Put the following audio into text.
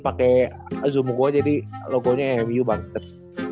pake zoom gue jadi logonya emu banget